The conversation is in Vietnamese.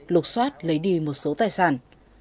lột xoát lấy đi một số tài sản